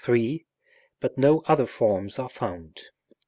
3), but no other forms are found.